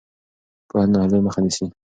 پوهه د ناهیلۍ مخه نیسي.